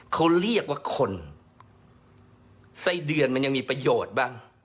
เขาเรียกว่าคนไส้เดือนมันยังมีประโยชน์บ้าง